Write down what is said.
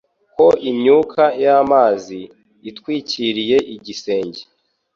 ko imyuka y'amazi itwikiriye igisenge